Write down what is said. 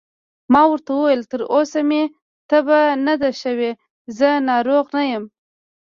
ما ورته وویل: تر اوسه مې تبه نه ده شوې، زه ناروغ نه یم.